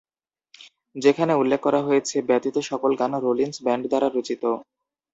যেখানে উল্লেখ করা হয়েছে, ব্যতীত সকল গান রোলিন্স ব্যান্ড দ্বারা রচিত।